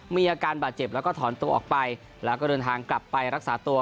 มีอาการบาดเจ็บแล้วก็ถอนตัวออกไปแล้วก็เดินทางกลับไปรักษาตัว